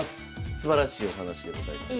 すばらしいお話でございました。